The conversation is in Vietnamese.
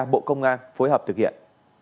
bộ công an phối hợp thực hiện